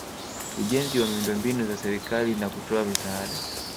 ujenzi wa miundombinu za serikali na kutoa misaada